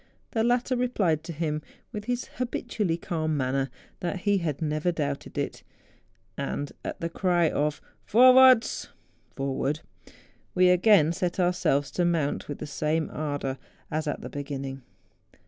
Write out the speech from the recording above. The latter replied to him with his habitually calm manner, that he had never doubted it, and at the cry of ' Vornvdrts /' (Forward) we again set ourselves to mount with the same ardour as at 74 MOUNTAIN ADVENTUKES. the beginning.